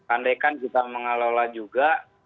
andaikan kita mengelola juga